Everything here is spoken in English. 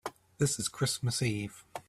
This is Christmas Eve.